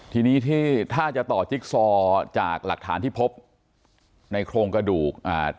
ทีนี้ที่ถ้าจะต่อจิ๊กซอจากหลักฐานที่พบในโครงกระดูกอ่า